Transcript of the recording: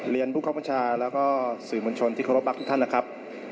เรียนพวกข้อประชาและสื่อมุญชนที่โครบักท่านนะครับ